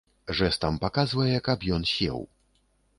Жэстам паказвае, каб ён сеў.